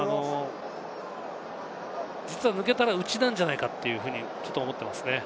実は抜けたら内なんじゃないかというふうに思っていますね。